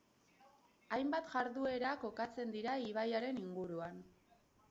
Hainbat jarduera kokatzen dira ibaiaren inguruan.